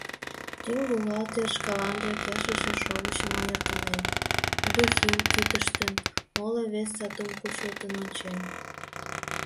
Тӱҥ бухгалтер шкаланже келшыше шовычым ойыркален, духим кӱтыштын, моло-вес сатумат кучылтын ончен.